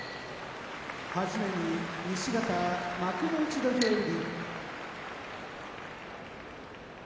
はじめに西方幕内土俵入り。